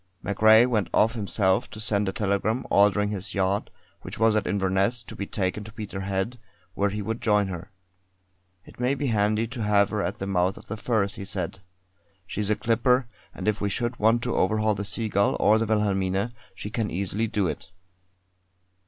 MacRae went off himself to send a telegram ordering his yacht, which was at Inverness, to be taken to Peterhead, where he would join her. "It may be handy to have her at the mouth of the Firth," he said. "She's a clipper, and if we should want to overhaul the Seagull or the Wilhelmina, she can easily do it."